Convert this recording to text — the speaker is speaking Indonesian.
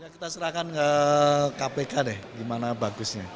kita serahkan ke kpk deh gimana bagusnya